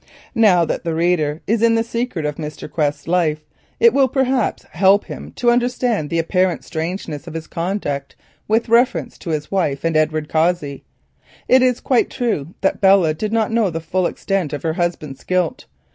Now that the reader is in the secret of Mr. Quest's life, it will perhaps help him to understand the apparent strangeness of his conduct with reference to his wife and Edward Cossey. It is quite true that Belle did not know the full extent of her husband's guilt.